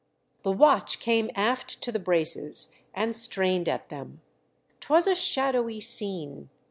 The watch came aft to the braces and strained at them. 'Twas a shadowy scene.